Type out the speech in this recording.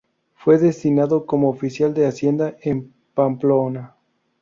Fue destinado como oficial de Hacienda en Pamplona.